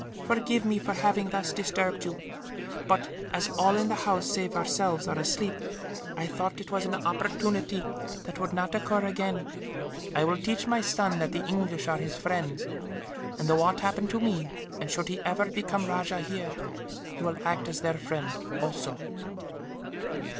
Forgive me for having thus disturbed you but, as all in the house save ourselves are asleep, I thought that it was an opportunity that would not occur again. I will teach my son that the English are his friends and, should aught happen to me, and should he ever become rajah here, he will act as their friend, also."